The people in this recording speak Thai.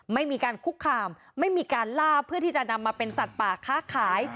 ไม่มีการคุกคามไม่มีการล่าเพื่อที่จะนำมาเป็นสัตว์ป่าค้าขาย